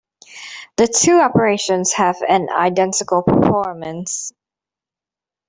The two operations have an identical performance.